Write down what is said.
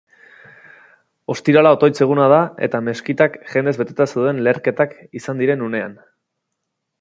Ostirala otoitz eguna da eta meskitak jendez beteta zeuden leherketak izan diren unean.